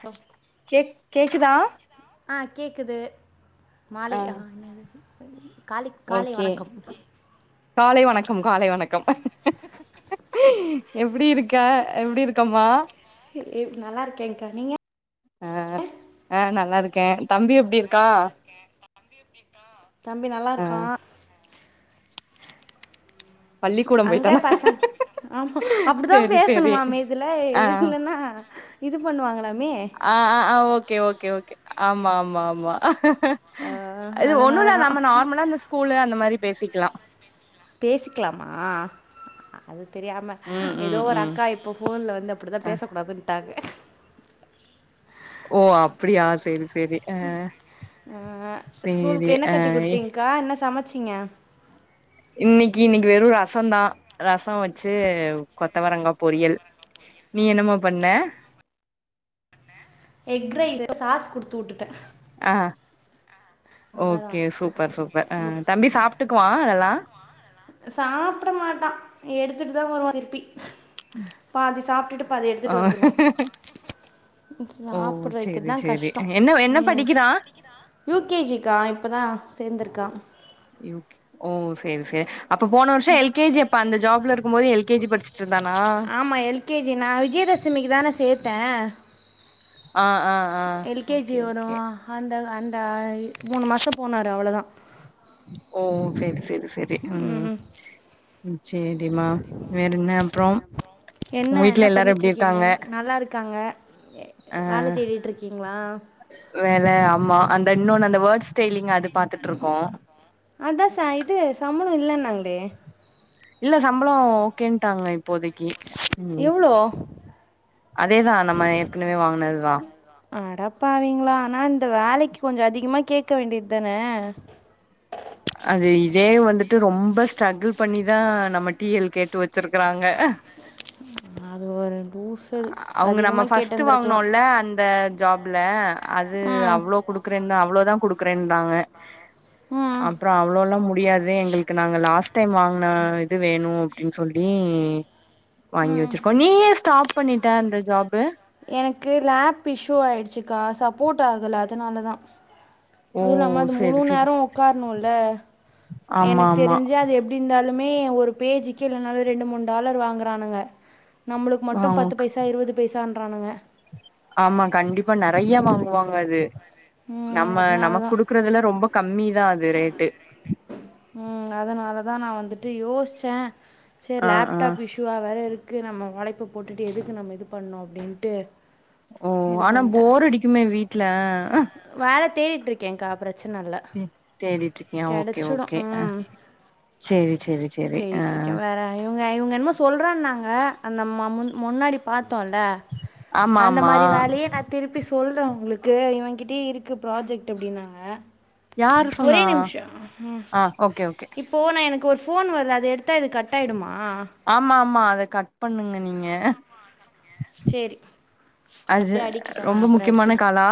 ஹ கேக் கேக்குதா ஆ கேக்குது ஆ மாலை அ [inaudible] காலிக் காலை ஓகே வணக்கம் காலை வணக்கம் காலை வணக்கம் எப்டி இருக்க எப்டி இருக்கமா எ எ நல்லா இருக்கேங்க்கா நீங்க அ அ நல்லாருக்கே தம்பி எப்டி இருக்கா தம்பி ஆ நல்லாருக்கா பள்ளிக்கூடம் அங்க பொய்ட்டானா பசங் ஆமா அப்டிதா பேசணுமாமே இதுல ஆ இல்லன்னா இது பண்ணுவாங்களாமே அ அ அ ஓகே ஓகே ஓகே ஆமா ஆமா ஆமா ஆ அது ஒன்னுல்ல அதனாலதா நம்ம நார்மலா அந்த ஸ்கூலு அந்த மாரி பேசிக்கலா பேசிக்கலாமா அது தெரியாம ம் ஏதோ ம் ஒரு ம் அக்கா இப்போ ஃபோன்ல வந்து அப்டி தா பேசக்கூடாதுன்னட்டாங்க ஓ அப்டியா சேரி சேரி ஆ ஆ சேரி ஸ்கூலுக்கு என்ன கட்டி ஆ குடுத்தீங்க்கா என்ன சமைச்சீங்க இன்னைக்கி இன்னைக்கி வெறு ரசந்தா ரச வச்சு கொத்தவரங்கா பொரியல் நீ என்னமா பண்ண எக் ரைஸு சாஸ் குடுத்து உட்டுட்டெ அ ஓகே அவ்வளோதான் சூப்பர் சூப்பர் அ முட் தம்பி சாப்ட்டுக்குவா இதெல்லா சாப்ட மாட்டா எடுத்துட்டுதா வருவா திருப்பி பாதி சாப்ட்டுட்டு பாதி ஆ எடுத்துட்டு வந்துருவா ஓ சேரி சாப்பிடறைக்குதா சேரி கஷ்டோ என்ன என்ன ம் படிக்கிறா யூ கே ஜி க்கா இப்பதா சேந்திருக்கா யூகே ஓ சேரி சேரி அப்ப போன வர்ஷொ எல் கே ஜி அப்ப அந்த ஜாப்ல இருக்கும் போது எல் கே ஜி படுச்சுட் இருந்தானா ஆமா எல் யு கே ஜி நா விஜயதசமிக்கு தான சேத்தே அ அ அ எல்கேஜி ஓகே ஓகே வரும் அந்த அந்த மூனு மாசொ போனாரு அவ்ளோதா ஓ சேரி சேரி சே செரி ம் சேரிம்மா வேறென்ன அப்றொம் என்ன என்ன பண்ணிட்டு இருக்கீங்க நல்லா இருக்காங்க வேல ஆ தேடிட் இருக் கீங்களா வேல ஆமா அந்த இன்னொன்னு அந்த வோர்ட்ஸ் ஸ்டைலிங் அது பாத்துட் இருக்கோ அதா ச இது சம்பளொ இல்லன்னாங்ளே இல்ல சம்பளோ ஓகேன்ட்டாங்க இப்போதக்கி ம் எவ்வளோ அதேதா நம்ம ஏற்கனவே வாங்குனதுதா அடப்பாவீங்களா அனா இந்த வேலைக்கு கொஞ்சோ அதிகமா கேக்க வேண்டியதுதான அது இதே வந்துட்டு ரொம்ப ஸ்ட்ரகுள் பண்ணிதா நம்ம டீ எல் கேட்டு வச்சிருக்றாங்க அது ஒரு லூசு அது அவுங்க நம்ம அதிகமா ஃபஸ்ட் கேட்டிருந்திருக்கலா வாங்னோல்ல அந்த ஜாப்ல அது ம் அவ்ளோ குடுக்கறேன்தா அவ்ளோதா குடுக்குறேன்தாங்க ம் அப்பறோ அவ்ளோல்லா முடியாது எங்களுக் நாங்க லாஸ்ட் டைம் வாங்கின இது வேணு அப்டின்னு சொல்லி வாங்கி ம் வெச்சிருக்கோ நீ ஏ ஸ்டாப் பண்ணிட்ட அந்த ஜாப்பு எனக்கு லேப் இஸ்யூ ஆயிடுச்சுக்கா சப்போட் ஆகல அதனாலதா ஓ அதுயில்லாம அது முழு செரி செரி நேரோ ஒக்காரணுல்ல ஆமா எனக்கு ஆமா தெரிஞ்சி அது எப் ப்டிருந்தாலுமே ஒரு பேஜிக்கு இல்லனா ரெண்டு மூணு டாலர் வாங்கறானுங்க நம்மளுக்கு மட்டு ஆமா பத்து பைசா இருவது பைசான்றானுங்க ஆமா கண்டிப்பா நறைய வாங்குவாங்க அது ம் நம்ம அதனால நமக் தா குடுக்கறதுல ரொம்ப கம்மி தா அது ரேட்டு ம் அதனால தா நா வந்துட்டு யோசிச்சே சேர் ஆ ஆ லேப்டாப் இஷ்யு துவா வேறருக்கு நம்ம உழைப்ப போட்டுட்டு எதுக்கு நம்ம இது பண்ணோ அப்டின்ட்டு ஓ அனா போர் அடிக்குமே வீட்டுல வேல தேடிட்ருக்கேங்க்கா பிரச்சன இல்ல தே தேடிட்டு இருக்கியா ஓகே கெடைச்சிடும். ஓகே அ ம். சேரி சேரி சேரி ஆ அதா இவுங்க இவுங்க என்மோ சொல்றன்னாங்க அந்த மமுன் முன்னாடி பாத்தோல்ல ஆமா அந்த ஆமா மாரி வேலையே கத் திருப்பி சொல்றே உங்களுக்கு இவ கிட்டயூ இருக்கு ப்ராஜெக்ட் அப்டின்னாங்க யாரு ஒரே சொன்னா நிம்ஷோ ஹ ஆ ஓகே ஓகே இப்போ நா எனக்கு ஒரு ஃபோன் வருது அது எடுத்தா இது கட் ஆயிடுமா ஆமாமாம்மா அத கட் பண்ணுங்க நீங்க சேரி அது அப்டே அடிக்கட்டு நா ரொம்ப அப்பறோ முக்கியமான எடுத்துக் காலா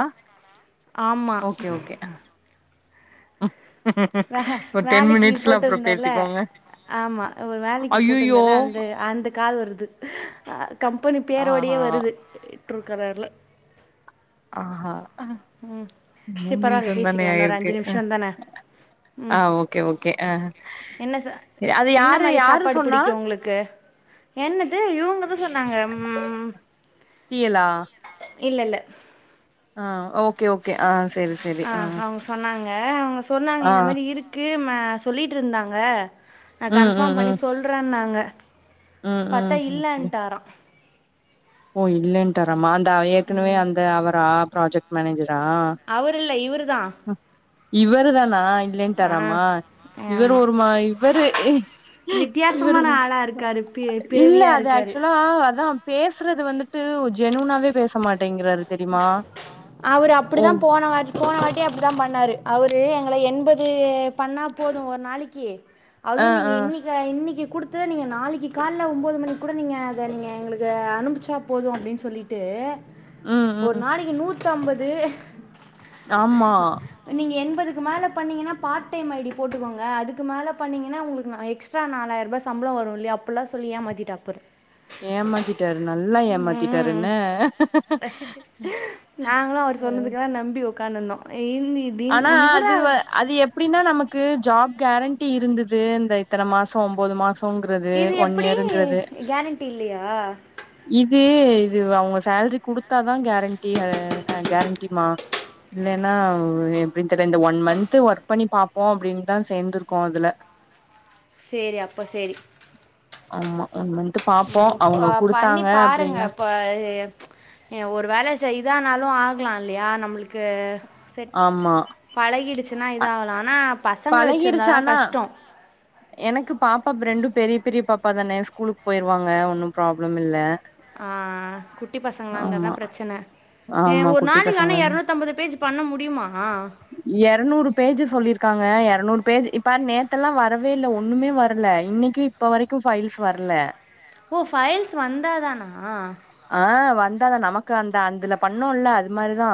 ஆமா ஓகே ஓகே வே ஒரு டென் வேலைக்கு மினிட்ஸ்ல அப்பறோ போட்டிருந்தேல பேசிக்கோங்க ஆமா ஒரு வேலைக்கு ஐயயோ போட்டிருந்தல்ல அந்து அந்து கால் வருது அ கம்பனி பேரோடேயே ஆஹா வருது ட்ருகாலர்ல ஆஹா ம் சரி மூணு பரவாயில்ல நிம்ஷா தானே பேசிக்கலாம் இன்னும் ஒரு ஆயிருக்கு அஞ்சு நிமிஷம் தானே ஆ ம் ஓகே ஓகே ஆ என்ன ச சரி. அது என்ன யாரு மாரி யாரு சாப்பாடு சொன்னா புடிக்கு உங்ளுக்கு என்னது இவங்கதா சொன்னாங்க ம் டீ எல் லா இல்லல்ல ஆ ஓகே ஓகே ஆ செரி ஆ அவுங்க சொன்னாங்க அவுங்க சொன்னாங்க ஆ இந்த மாரி இருக்கு ம சொல்லிட்ருந்தாங்க நா ம் ம் கன்பார்ம் பண்ணி ம் சொல்றன்னாங்க ம் பாத்தா ம் அப்படி இல்லன்ட்டாரா ஓ இல்லன்ட்டாரமா அந்த ஏற்கனவே அந்த அவரா ப்ராஜெக்ட் மேனேஜரா அவரு இல்ல இவுரு தா இவரு தானா ஆ இல்லேண்டாராம இவர் ஆமாம் ஒரு மா இவரு இவரு வித்தியாசமான ஆளாக இருக்கார் பி இல்ல பிறவியாக அது இருக்கார் ஆக்சுவலா அதா பேசறது வந்துட்டு ஜெனுன்னாவே பேசமாட் அவரு ஓ அப்படிதா போன மாரி போன வாட்டி அப்படிதா பண்ணாரு அவரு எங்கள என்பது பண்ணா போது ஒரு நாளிக்கி அதூ ஆ நீங்க ஆ இன்னிக் க இன்னிக்கி குடுத்தத நீங்க நாளிக்கி கால்ல ஒன்போது மணிக்கு கூட நீங்க அத நீங்க எங்களுக்கு அனுப்ச்சா போது அப்டின் சொல்லிட் ட்டு ம் ஒரு ம் நாளைக்கி நூத்தம்பது ஆமா நீங்க எண்பதுக்கு மேல பண்ணீங்கனா பார்ட் டைம் ஐடி போட்டுக்கோங்க அதுக்கு மேல பன்னீங்கனா நா உங்கலுக்கு எக்ஸ் எக்ஸ்ட்ரா நாலாயரூபா சம்பளம் வரும் இல்லையா அப்பில்லா சொல்லி ஏமாத்திட்டா பாரு ஏமாத்திட்டாரு நல்லா ஏமாத்திட்டாரு ம் ன்ன நாங்களு அவரு சொன்னதுக்குலா நம்பி உக்காந்ருந்தோ இந்தித் ஆனா அது அது எப் அப்டின்னா நமக்கு ஜாப் கேரண்டி இருந்தது இந்த இத்தன மாசோ ஒம்போது மாஸ் தோங்குறது இது ஒன் எப்படி இயர்ரிங்றது கேரண்டி இல்லையா இது இது அவுங்க சேலரி குடுத்தாதா கேரண்டிஹ கேரண்டிமா இல்லனா எப்டின் தெரில இந்த ஒன் மந்த்து ஒர்க் பண்ணி பாப்போ அப்டின்னுதா சேந்துருக்கோ அதுல சேரி அப்ப சேரி ஆமா ஒன் மன்த்து ம் பண்ணி பாருங்க இப்ப ஏ ஒரு வேல செய்தானாலு ஆகலா இல்லியா நம்மளுக்கு செட் ஆமா பழகிடுச்சின்னா இதா ஆகலா ஆனா பசங்கள வச்சி ருந்தா பழகிருச்சு தா ஆனா கஷ்டோ எனக்கு பாப்பா ப்ரெண்டு பெரிய பெரிய பாப்பா தானே ஸ்கூலுக்கு போயிருவாங்க ஒன்னு ப்ராப்ளம் இல்ல ஆ குட்டி பசங்களா இருந்தாதா ஆமா பிரச்சன ஏ ஆமா ஒரு குட்டி நாளைக்க ஆனா பசங்கள எரநூத் நுத்தம்பது பேஜ் பண்ண முடியுமா எரநூறு பேஜ் சொல்லிருக்காங்க எரநூறு பேஜ் இப்ப நேத்த எல்லா வரவே இல்ல ஒண்ணுமே வரல இன்னிக்கி இப்ப வரைக்கு பைல்ஸ் வர்ல ஓ ஃபைல்ஸ் வந்தாதானா ஆ வந்தாதா நமக்கு அந்த அந்தல பண்ணுல்ல அது மாரிதா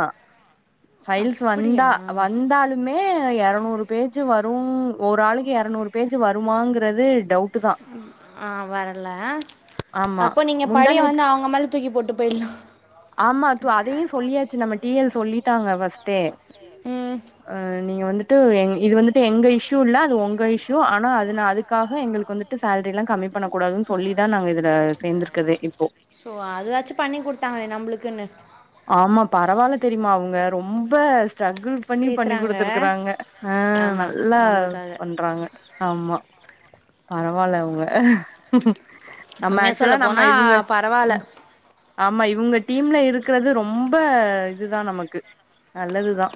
ஃபைல்ஸ் அப்படியா வந்தா வந்தாலும் மே எரநூறு பேஜு வரு ஒரு ஆளுக்கு எரநூறு பேஜு வருமாங்கிறது ஆ வரல ஆமா அப்போ நீங்க முந்தா பழிய நேத்து வந்து அவங்க மேல தூக்கிப்போட்டு பேய்ட்லா ஆமா துஅதையு சொல்லியாச்சு நம்ம டிஎல் சொல்லிட்டாங்க ஃபஸ்ட்டே ம் அ நீங்க வந்துட் ட்டு இது வந்துட்டு எங்க இஸ்யூ இல்ல அது உங்க இஷூ ஆனா அதுக்காக எங்களுக்கு வந்துட் சேல்ரி எல்லா கம்மி பண்ண கூடாதுன்னு சொல்லிதா நாங்க இதுல சேந்துருக்கதே இப்போ சோ அதாச்சு பண்ணிக் கொடுத்தாங்களே நம்மளுக்குன்னு ஆமா பரவால தெரியுமா அவுங்க ரொம்ப ஸ்ட்ரகுள் பண்ணி பண்ணி பேசுகிறாங்க கொடுத்துருக்கறாங்க ஆ ஆமாம் நல்லா நம்மளுக்காக பண்றாங்க ஆமா பரவால அவுங்க நம்ம உண்மையாக ஆக்சுவலா சொல்ல நம்ம இவுங்க போனால் பரவாயில்ல ம் ஆமா இவுங்க டீம்ல இருக்கிறது ரொம்ப இதுதா நமக்கு நல்லதுதா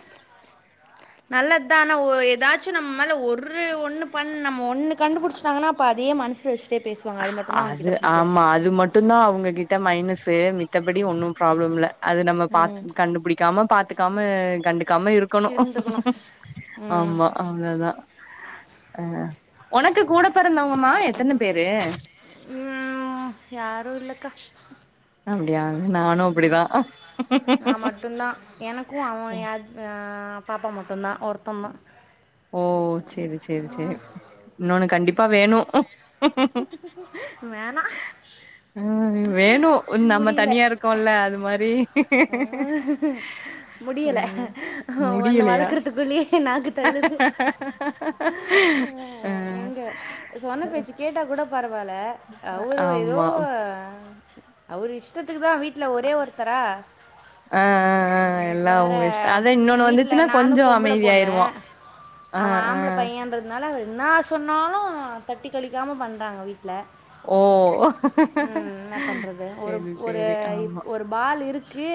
நல்லது தா ஆனா ஏதாச்சு நம்ம மேல ஒரு ஒண்ணு பண் நம்ம ஒண்ணு கண்டுபுடிச்சுடாங்கன்னா அப்ப அதே மனசுவச் டே பேசுவாங்க அது மட்டு தா அவங்க கிட்ட புடிக்காது அது மட்டுந் தா அவங்ககிட்ட மைனஸு மித்தபடி ஒன்னு பராப்ளம் இல்ல அது நம்ம பாத் ம் கண்டுபுடிக் கம பாத்துக்காம கண்டுக்காம இருக்கணு இருந்துக்கணும் ம் ஆமா அவ்ளதா அ ஒனக்கு கூட பொறந்தவங்கமா எத்தன பேரு ம் யாருஇல்லக்கா அப்டியா நானு அப்டிதா மட்டுந்தா எனக்கு அவ்வ ய பாப்பா மட்டுந்தா ஒருத்தந் தா ஓ செரி செரி செரி இன்னொனு கண்டிப்பா வேணு வேனா ம் வேணோ நம்ம தனியா இருக்கோல அது மாரி அ முடியல ஒன்னு முடியலையா வளர்க்கறதுக்குள்ளே நாக்கு அழுது ஆ அ எங்க சொன்ன பேச்சு கேட்டாக் கூட பரவால அவரோ எதோ ஆமா அவரு இஷ்டத்துக்கு தா வீட்ல ஒரே ஒருத்தரா ஆ ஆ ஆ இதில் எல்லா வேற உங்க இஷ்ட் அதா இன்னொன்னு வந்துச்சுன்னா வீட்டில் கொஞ்சொ நானும் பொம்பளை அமைதி பொண்ணு ஆயிருவா ஆ ஆ அதுனால என்ன சொன்னாலு தட்டி கழிக்காம பண்ணுறாங்க வீ ட்ல ஓ ம் இன்னா பண்றது ஒரு சேரி ஒரு சேரி ஆமா ஒரு பால் இருக்கு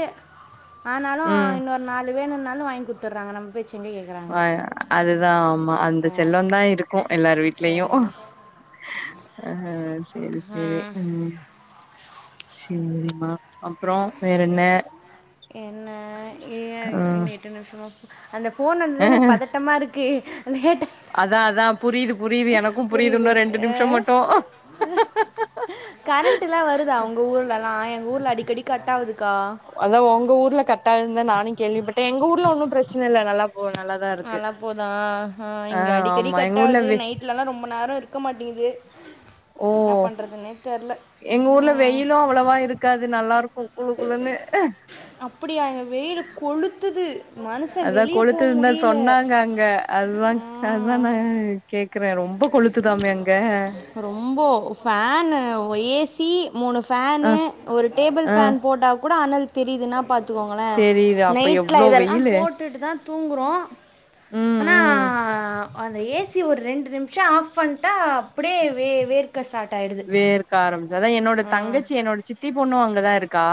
ஆனாலு ம் இன்னோரு நாலு வேணுனாலு வாங்கி குத்துறாங்க நம்ம பேச்ச எங்க ஆ அதுதா ஆமா அந்த செல்லோதா இருக்கோ எல்லார் வீட் வீட்லயு அ அ செரி செரி ம் சேரிமா அப்புறோ வேற என்ன என்ன ஏ ம் இன்னு எட்டு நிமிஷொ மொபு அந்த ஃபோன் வந்ததே எனக்கு பதட்டமா இருக்கு லேட்டா அதா அதா புரியுது புரியுது எனக்கு புரியுது இன்னு ரெண்டு நிமிஷொ மட்டு [unintelligible] கரண்டுலா வருதா உங்க ஊர்லலா எங்க ஊர்ல அடிக்கடி கட் ஆகுதுக்கா அதா ஒங்க ஊர்ல கட்டாயிரும்தா நானு கேள்விப்பட் எங்க ஊர்ல ஒன்னு பிரச்சன இல் நல்லா போ நல்லாதா இருக்கு நல்லா போதான் ஆ ஆமா எங்க ஊர்ல வெ இல்லனா ரொம்ப நேரொ இருக்க மாட்டேங்குது ஓ என்ன பண்ணுறதுன்னே தெரில எங்க ஊர்ல வெயிலோ அவ்வளவா இருக்காது நல்லா இருக்கோ குளுகுளுன்னு அப்புடியா இங்க வெயில கொளுத்துது மனுஷன் அதா வெளியே போக கொளுத்ததுந்தா முடியல சொன்னாங்க அங்க அதா அதுதா ம். நா கேக்குறே ரொம் ரொம்ப கொளுத்துதாமே அங்க ரொம்போ ஃபேனு ஏசி மூணு ஆ ஃபேனு ஒரு டேபிள் ஆ ஃபேன் போட்டா கூட அனல் தெரியுதுன்னா பாத்துக்கோங்களே தெரியுது அப்ப நைட்ல எவ்ளோ இதெல்லா வெயிலு போட்டுட்டு தா தூங்குறோ ம் ஆனா ம் அந்த ஏ சி ஒரு ரெண்டு நிமி சுட்ச்ச ஆஃப் பண்ட்டா அப்டியே வே வேர்க் க சாட்டாயிடுது வேர்க்க ஆரம்பிச்ச அதா என்னோட தங்கச்சி என்னோட சித்தி பொண்ணோ அங்கதா இருக்கா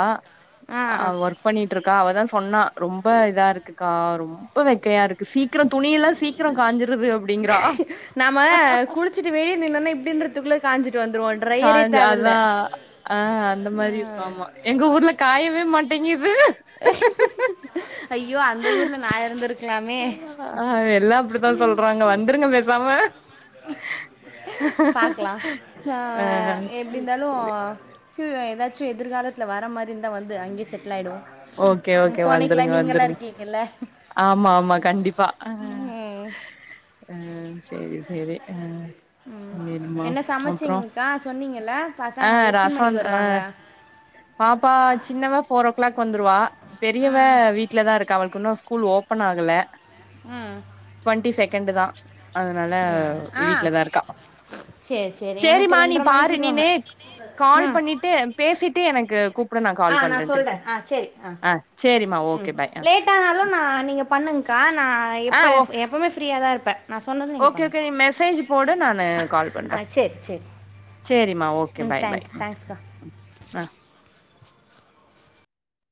ஆ ஒர்க் பண்ணிட்டு இருக்கா அவதா சொன்னா ரொம்போ இதா இருக்குக்கா ரொம்போ வெக்கையா இருக்கு சீக்கிரோ துணியெல்லா சீக்கிரோ காஞ்சுருது அப்படீங்கறா ச்ட்டு வெயிலு இல்லனா இப்டீன்றதுக்குள்ள காஞ்சிட்டு வந்துருவோ காஞ்ச அதா ஆ அந்த மாரி இருக்கோ ஆம்மா எங்க ஊர்ல காயவே மாட் டேங்குது சாய்ந்துருத் எல்லா அப்புடித்தா சொல்றாங்க வந்துருங்க பேசாமே பாக்கலா ஆ எப்புடி இருந்தாலு கு ஏதாச்சு எதிர்காலத்துல வர மாதிரி இருந்தா வந்து அங்கேயே செட்டில் ஆயிடுவோ ஓகே ஓகே வந்துருங்க வந்துருங்க ஆமா ஆமா கண்டிப் பா அ ம். அ செரி செரி அ ம் என்ன சமைச்சிங்கக்கா சொன்னீங்கல்ல ஆ பசங்க எத்தினி ரசோ மணிக்கு ஆ வருவாங்க பாப்பா சின்னவ ஃபோரோ கிளாக் வந்துருவா பெரியவே ம் வீட்லதா இருக்கா அவளுக்கு இன்னு ஸ்கூல் ஓப்பன் ஆகல அ ட்வெண்ட்டி செக்கண்டு தா அதுனால ரெண்டு. ஆ வீட்லதா இருக்கா சரி சரி எனக்கு சேரிமா நீ ரெண்டரை மணிக்கு பாரு விடுவாங்க நீனு கால் ம் பண்ணிட்டு பேசிட்டு எனக்கு கூப் ஆ நா சொல்றே ஆ செரி ஆ சேரிம்மா ஓகே பாய் லேட்டானாலு நா நீங்க பண்ணுங்கக்கா நா ஆ எப்ப ஓ எப் பவுமே ஃப்ரீயா தா இருப்பே ஓகே ஓகே நீ மெசேஜ் போடு நானு கால் பண்றே ஆ சரி சரி சேரிமா ஓகே ம் பாய் பாய் தேங்க்ஸ் ம் தேங்க்ஸ்க்கா ம் ம் ம